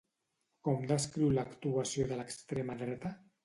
Com descriu l'actuació de l'extrema dreta?